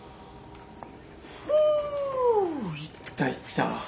ふぅ行った行った。